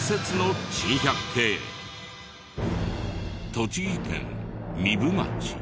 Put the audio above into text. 栃木県壬生町。